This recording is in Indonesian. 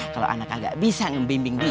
kalau ana gak bisa membimbing dia